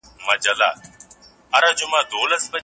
دا ستونزي حل نه سوې.